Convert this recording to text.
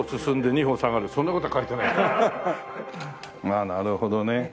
ああなるほどね。